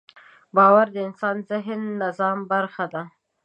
باور د انسان د ذهني نظام برخه ده.